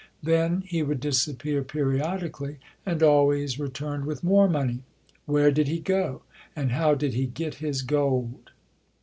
Then, he would disappear periodically, and always returned with more money. Where did he go, and how did he get his gold?